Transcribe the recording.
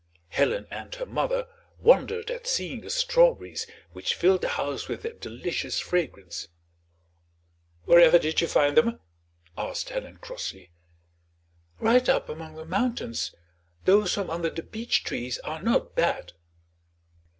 Helen and her mother wondered at seeing the strawberries, which filled the house with their delicious fragrance. "Wherever did you find them?" asked Helen crossly. "Right up among the mountains; those from under the beech trees are not bad."